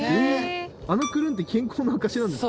あのクルンって健康の証しなんですか。